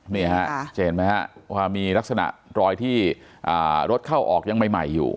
นี่ฮะจะเห็นไหมฮะว่ามีลักษณะรอยที่รถเข้าออกยังใหม่อยู่